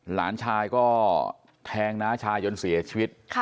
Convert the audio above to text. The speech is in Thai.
หลานชายก็แทงน้าชายจนเสียชีวิต